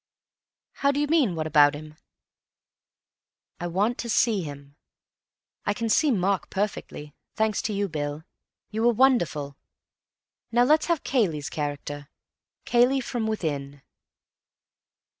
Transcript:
"How do you mean, what about him?" "I want to see him. I can see Mark perfectly, thanks to you, Bill. You were wonderful. Now let's have Cayley's character. Cayley from within."